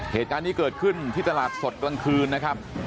เหตุการณ์นี้เกิดขึ้นที่ตลาดสดกลางคืนนะครับ